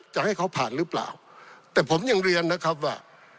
จะให้เขาผ่านหรือเปล่าแต่ผมยังเรียนนะครับว่า